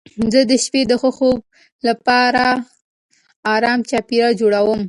زه د شپې د ښه خوب لپاره ارام چاپېریال جوړوم.